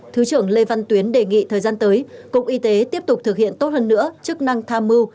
thứ trưởng lê văn tuyến đề nghị thời gian tới cục y tế tiếp tục thực hiện tốt hơn nữa chức năng tham mưu